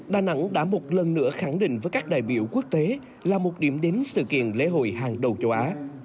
đà nẵng đã một lần nữa khẳng định với các đại biểu quốc tế là một điểm đến sự kiện lễ hội hàng đầu châu á